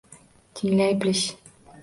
Tinglay bilish.